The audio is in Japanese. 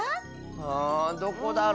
あどこだろ？